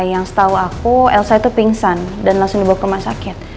yang setahu aku elsa itu pingsan dan langsung dibawa ke rumah sakit